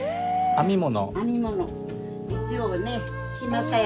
編み物。